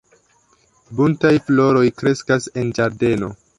Buntaj floroj kreskas en ĝardeno.